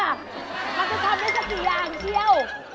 มันจะทำได้สักกี่อย่างเชียว